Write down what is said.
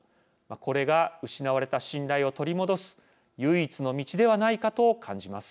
これが失われた信頼を取り戻す唯一の道ではないかと感じます。